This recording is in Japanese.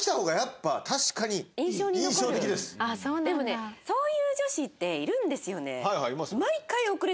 でもねそういう女子っているんですよね。